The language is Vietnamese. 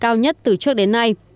cao nhất từ trước đến nay